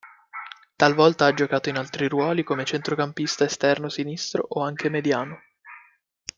Talvolta, ha giocato in altri ruoli come centrocampista esterno sinistro, o anche mediano.